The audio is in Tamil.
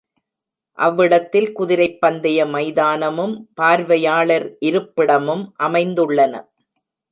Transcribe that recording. அவ்விடத்தில் குதிரைப் பந்தய மைதானமும் பார்வையாளர் இருப்பிடமும் அமைந்துள்ளன.